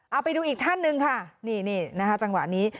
เอาไปดูอีกท่านหนึ่งค่ะนี่นะคะจังหวะนี้